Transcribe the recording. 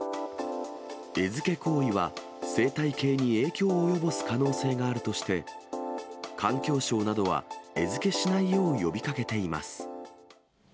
餌付け行為は生態系に影響を及ぼす可能性があるとして、環境省などは餌付けしないよう呼びかけています。